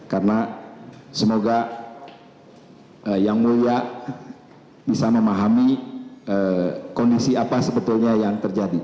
karena semoga yang mulia bisa memahami kondisi apa sebetulnya yang terjadi